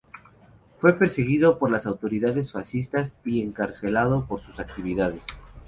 Fue perseguido por las autoridades fascistas y encarcelado por sus actividades.